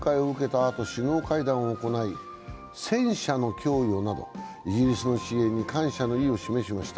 あと首脳会談を行い、戦車の供与などイギリスの支援に感謝の意を示しました。